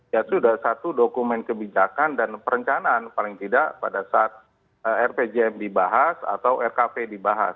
ya sudah satu dokumen kebijakan dan perencanaan paling tidak pada saat rpjm dibahas atau rkp dibahas